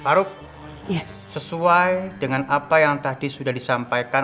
haruk sesuai dengan apa yang tadi sudah disampaikan